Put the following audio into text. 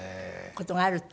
事があると。